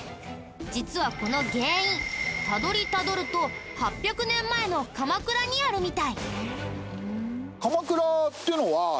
実はこの原因たどりたどると８００年前の鎌倉にあるみたい。